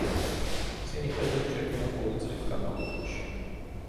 ისინი ხეზე რჩებიან ორი წლის განმავლობაში.